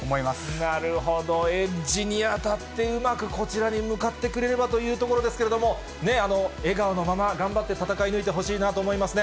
なるほど、エッジに当たって、うまくこちらに向かってくれればというところですけれども、笑顔のまま頑張って戦い抜いてほしいなと思いますね。